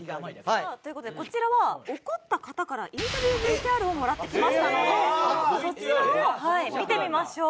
さあという事でこちらは怒った方からインタビューＶＴＲをもらってきましたのでそちらを見てみましょう。